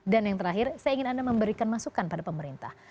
dan yang terakhir saya ingin anda memberikan masukan kepada pemerintah